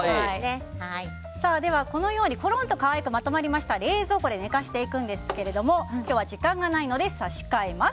このようにコロンと可愛くまとまりましたら冷蔵庫で寝かせていくんですが今日は時間がないので差し替えます。